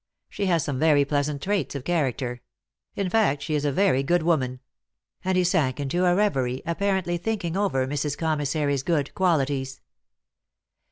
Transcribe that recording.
She has some very pleasant traits of character in fact, she is a very good woman," and he sank into a reverie, apparently thinking over Mrs. Commissary s good qualities.